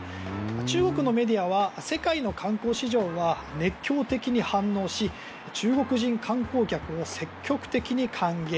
中国のメディアは世界の観光市場は熱狂的に反応し中国人観光客を積極的に歓迎。